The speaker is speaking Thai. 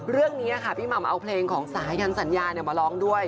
เรื่องนี้ค่ะพี่หม่ำเอาเพลงของสายันสัญญามาร้องด้วย